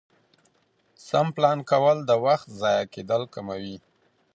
سم پلان کول د وخت ضایع کېدل کموي